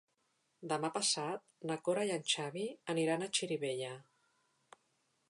Demà passat na Cora i en Xavi aniran a Xirivella.